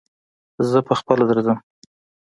زه په خپله درځم